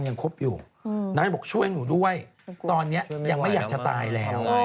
คบอยู่นางยังบอกช่วยหนูด้วยตอนนี้ยังไม่อยากจะตายแล้ว